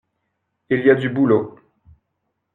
Il y a du boulot.